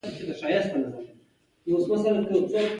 هغه ثابته کړه چې سړی د فکر له لارې شتمنېږي.